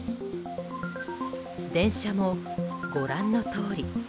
電車もご覧のとおり。